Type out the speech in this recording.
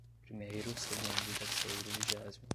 primeiro, segundo, terceiro, vigésimo